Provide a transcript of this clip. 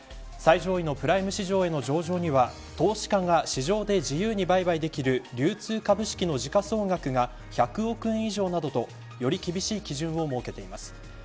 最上位のプライム市場への上場には投資家が市場で自由に売買できる流通株式の時価総額が１００億円以上などとより厳しい基準を設けています。